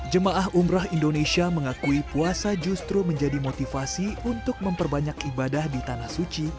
jemaah umroh indonesia mengakui puasa justru menjadi motivasi untuk memperbanyak ibadah di tanah suci